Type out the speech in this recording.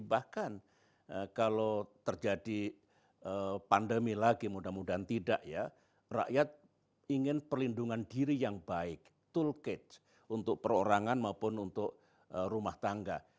bahkan kalau terjadi pandemi lagi mudah mudahan tidak ya rakyat ingin perlindungan diri yang baik tool cate untuk perorangan maupun untuk rumah tangga